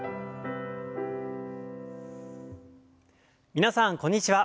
皆さんこんにちは。